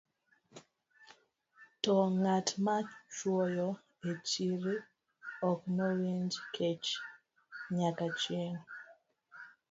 To ng'at ma chwoyo e chiri ok nowinj kech nyaka chieng'.